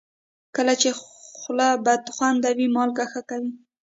کله چې خوله بدخوند وي، مالګه ښه کوي.